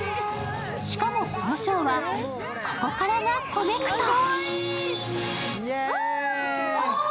しかも、このショーは、ここからがコネクト。